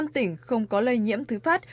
năm tỉnh không có lây nhiễm thứ phát